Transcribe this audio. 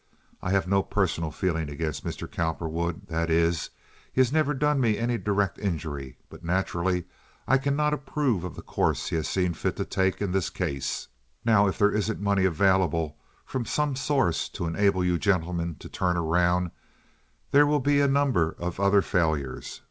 I have no personal feeling against Mr. Cowperwood—that is, he has never done me any direct injury—but naturally I cannot approve of the course he has seen fit to take in this case. Now, if there isn't money available from some source to enable you gentlemen to turn around, there will be a number of other failures.